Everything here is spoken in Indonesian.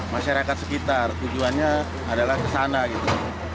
masyarakat sekitar tujuannya adalah kesana gitu